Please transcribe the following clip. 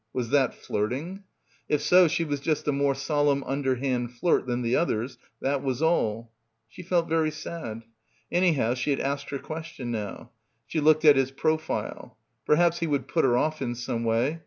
Was that flirting? If so she was just a more solemn underhand flirt than the others, that was all. She felt very sad. Anyhow she had asked her question now. She looked at his profile. Perhaps he would put her off in some way.